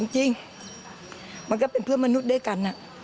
จริงมันก็เป็นเพื่อนมนุษย์ด้วยกัน